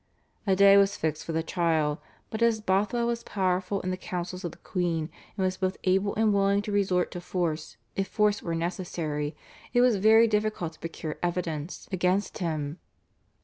A day was fixed for the trial, but as Bothwell was powerful in the councils of the queen and was both able and willing to resort to force if force were necessary, it was very difficult to procure evidence against him.